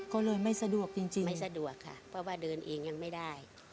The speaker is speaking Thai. ก็เลยไม่สะดวกจริงไม่สะดวกค่ะเพราะว่าเดินเองยังไม่ได้